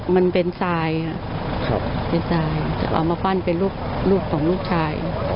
มันเป็นทรายเอามาปั้นเป็นรูปของลูกชาย